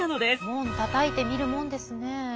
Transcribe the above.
門たたいてみるもんですね。